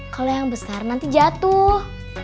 kalau yang besar nanti jatuh